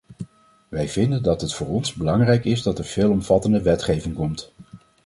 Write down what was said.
Wij vinden dat het voor ons belangrijk is dat er veelomvattende wetgeving komt.